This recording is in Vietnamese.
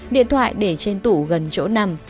điện thoại để trên tủ gần chỗ nằm